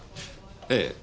ええ。